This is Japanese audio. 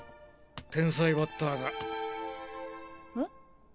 天才バッターが。え？